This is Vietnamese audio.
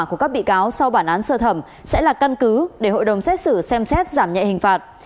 của các bị cáo sau bản án sơ thẩm sẽ là căn cứ để hội đồng xét xử xem xét giảm nhẹ hình phạt